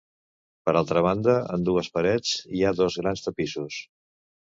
Per altra banda, en dues parets hi ha dos grans tapissos.